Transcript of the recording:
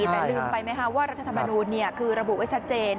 แต่ลืมไปไหมคะว่ารัฐธรรมนูลคือระบุไว้ชัดเจน